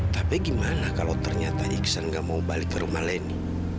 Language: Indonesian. tapi bagaimana kalau ternyata iksan tidak mau balik ke rumah landi